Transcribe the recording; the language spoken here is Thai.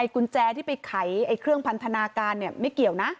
กุญแจที่ไปไขเครื่องพันธนาการไม่เกี่ยวนะ